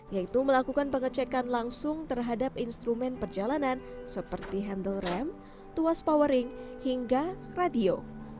yaitu melakukan pengecekan langsung terhadap instrumen perjalanan seperti handle rem tuas powering hingga radio